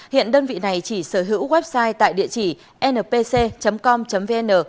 hiện đơn vị này chỉ sở hữu website tại địa chỉ npc com vn